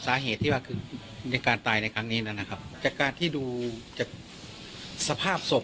สาเหตุที่ว่าคือในการตายในครั้งนี้นั้นนะครับจากการที่ดูจากสภาพศพ